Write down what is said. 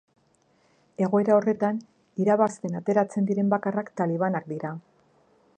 Egoera horretan, irabazten ateratzen diren bakarrak talibanak dira.